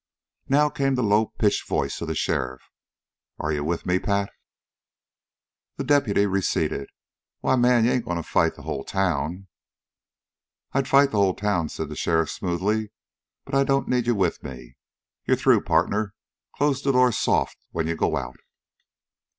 Now came the low pitched voice of the sheriff: "Are you with me, Pat?" The deputy receded. "Why, man, you ain't going to fight the whole town?" "I'd fight the whole town," said the sheriff smoothly, "but I don't need you with me. You're through, partner. Close the door soft when you go out!"